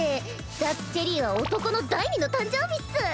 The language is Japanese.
脱チェリーは男の第２の誕生日っス。